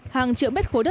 hàng triệu mét khối đất